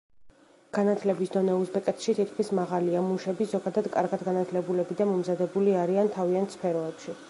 განათლების დონე უზბეკეთში თითქმის მაღალია, მუშები, ზოგადად, კარგად განათლებულები და მომზადებული არიან თავიანთ სფეროებში.